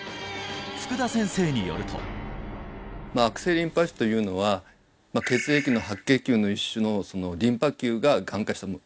福田先生によると悪性リンパ腫というのは血液の白血球の一種のリンパ球ががん化したもの